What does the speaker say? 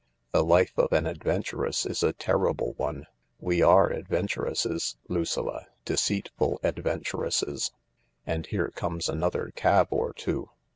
" The life of an adventuress is a terrible one. We are adventuresses, Lucilla — deceitful adventuresses. And here comes another cab or two.